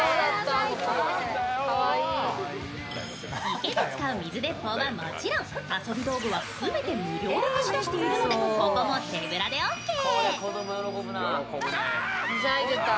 池で使う水鉄砲はもちろん、遊び道具は全て無料で貸し出しているのでここも手ぶらでオーケー。